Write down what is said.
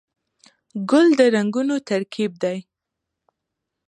ګل د رنګونو ترکیب دی.